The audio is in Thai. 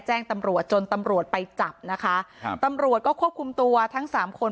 แจ้งตำรวจจนตำรวจไปจับนะคะครับตำรวจก็ควบคุมตัวทั้งสามคน